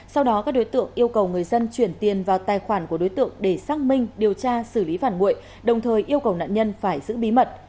sau đó các đối tượng yêu cầu người dân chuyển tiền vào tài khoản của đối tượng để xác minh điều tra xử lý phản nguội đồng thời yêu cầu nạn nhân phải giữ bí mật